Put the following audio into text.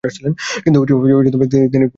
কিন্তু তিনি ভিন্ন ধরনের মানুষ।